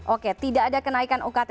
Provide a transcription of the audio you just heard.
oke tidak ada kenaikan ukt